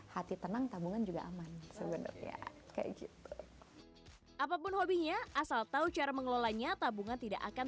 hati tenang tabungan juga aman